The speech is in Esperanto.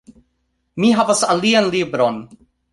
Mi havas alian libron